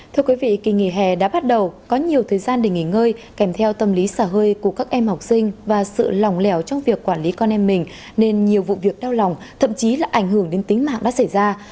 thưa quý vị kỳ nghỉ hè đã bắt đầu có nhiều thời gian để nghỉ ngơi kèm theo tâm lý xả hơi của các em học sinh và sự lòng lẻo trong việc quản lý con em mình nên nhiều vụ việc đau lòng thậm chí là ảnh hưởng đến tính mạng đã xảy ra